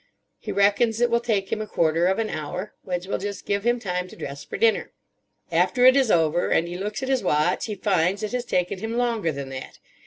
He reckons it will take him a quarter of an hour. Which will just give him time to dress for dinner. After it is over, and he looks at his watch, he finds it has taken him longer than that.